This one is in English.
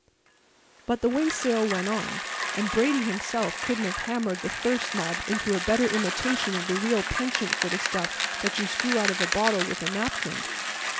But the wassail went on; and Brady himself couldn't have hammered the thirst mob into a better imitation of the real penchant for the stuff that you screw out of a bottle with a napkin.